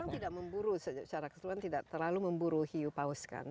orang tidak memburu secara keseluruhan tidak terlalu memburu hiu paus kan